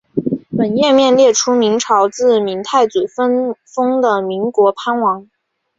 本页面列出明朝自明太祖分封的岷国藩王。